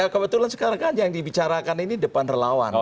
kebetulan sekarang kan yang dibicarakan ini depan relawan